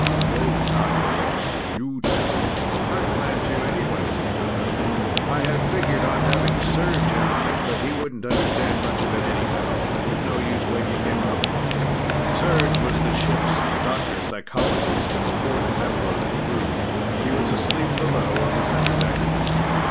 Both not know all. You tell." "I planned to, anyway," said Jonner. "I had figured on having Serj in on it, but he wouldn't understand much of it anyhow. There's no use in waking him up." Serj was the ship's doctor psychologist and fourth member of the crew. He was asleep below on the centerdeck.